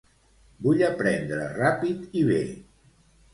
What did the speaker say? Vull aprendre ràpid i bè.